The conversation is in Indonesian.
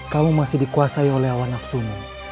kamu masih dikuasai oleh hawa nafsumu